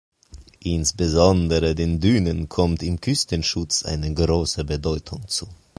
Insbesondere den Dünen kommt im Küstenschutz eine große Bedeutung zu.